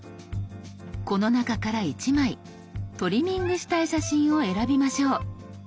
この中から１枚トリミングしたい写真を選びましょう。